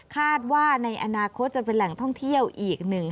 คาดว่าในอนาคตจะเป็นแหล่งท่องเที่ยวอีกหนึ่ง